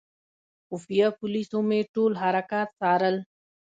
خفیه پولیسو مې ټول حرکات څارل.